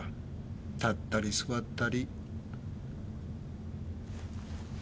立ったり座ったり。